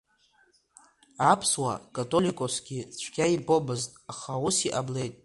Аԥсуа католикосгьы цәгьа ибомызт, аха ус иҟамлеит.